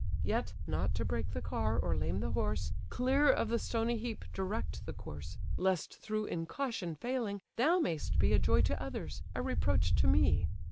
Yet (not to break the car, or lame the horse) Clear of the stony heap direct the course; Lest through incaution failing, thou mayst be A joy to others, a reproach to me.